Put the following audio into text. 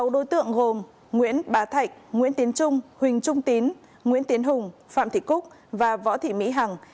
sáu đối tượng gồm nguyễn bá thạch nguyễn tiến trung huỳnh trung tín nguyễn tiến hùng phạm thị cúc và võ thị mỹ hằng